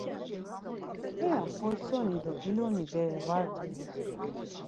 Heya xortsoni do iloni bere va rt̆ui?